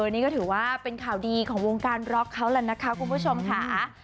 นี่ก็ถือว่าเป็นข่าวดีของวงการร็อกเขาแล้วนะคะคุณผู้ชมค่ะ